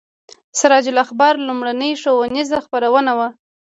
سراج الاخبار لومړنۍ ښوونیزه خپرونه وه.